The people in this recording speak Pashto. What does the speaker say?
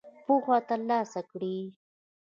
پوهه تر لاسه کړئ